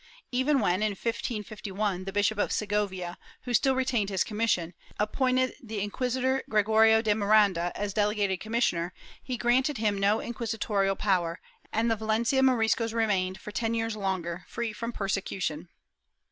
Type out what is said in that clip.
Even when, in 1551, the Bishop of Segovia, who still retained his commission, appointed the Inquisitor Gregorio de Miranda as a delegated commissioner, he granted him no inquisitorial power, and the Valencia Moriscos remained, for ten years longer, free from persecution.